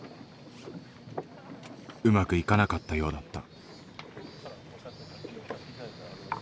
うまくいかなかったようだった。